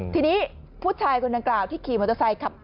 ทีนี้ผู้ชายคนดังกล่าวที่ขี่มอเตอร์ไซค์ขับ